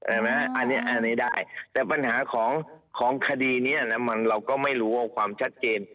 อันนี้ได้แต่ปัญหาของคดีนี้เราก็ไม่รู้ว่าความชัดเจน